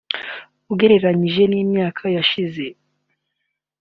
ugererenyije n’imyaka yashize